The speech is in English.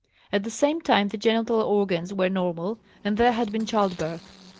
At the same time the genital organs were normal and there had been childbirth.